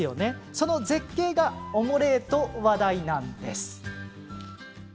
その絶景がおもれえと話題なんです。